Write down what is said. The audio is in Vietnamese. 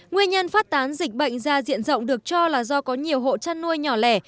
nguyên nhân phát tán dịch bệnh ra diện rộng được cho là do có nhiều hộ chăn nuôi nhỏ lẻ